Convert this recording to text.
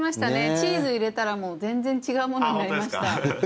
チーズ入れたらもう全然違うものになりました。